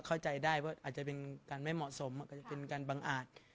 อาจจะเป็นการบังอ่าด